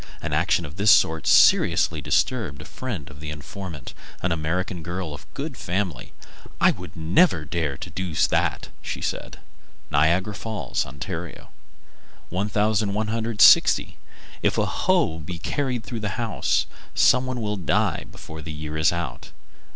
An action of this sort seriously disturbed a friend of the informant, an American girl of good family. "I would never dare to do that," she said. Niagara Falls, Ont. 1160. If a hoe be carried through a house, some one will die before the year is out.